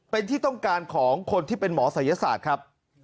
เป็นที่ต้องการของคนที่เป็นหมอศัยศาสตร์ครับ